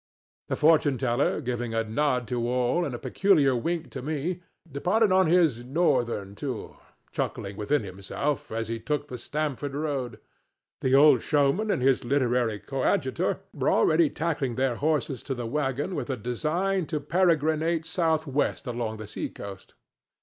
The fortune teller, giving a nod to all and a peculiar wink to me, departed on his Northern tour, chuckling within himself as he took the Stamford road. The old showman and his literary coadjutor were already tackling their horses to the wagon with a design to peregrinate south west along the sea coast.